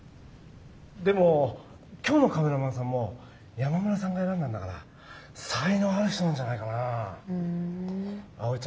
でも今日のカメラマンさんも山村さんが選んだんだから才能ある人なんじゃないかなあ。